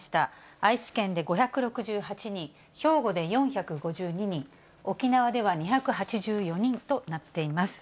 愛知県で５６８人、兵庫で４５２人、沖縄では２８４人となっています。